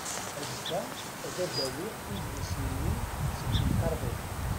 Azekka ad d-awiɣ idlisen-nni seg temkerḍit.